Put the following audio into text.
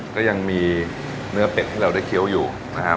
ก็ยังมีเนื้อเป็ดให้เราได้เคี้ยวอยู่นะครับ